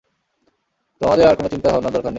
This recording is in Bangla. তোমাদের আর কোন চিন্তা-ভাবনার দরকার নেই।